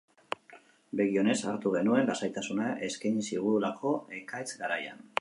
Begi onez hartu genuen, lasaitasuna eskaini zigulako ekaitz garaian.